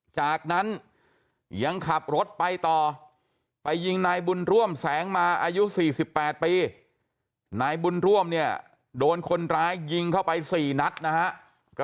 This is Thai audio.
จากนั้นยังขับรถไปต่อไปยิงนายบุญร่วมแสงมาอายุ๔๘ปีนายบุญร่วมเนี่ยโดนคนร้ายยิงเข้าไป๔นัดนะฮะ